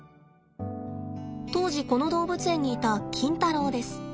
当時この動物園にいたキンタロウです。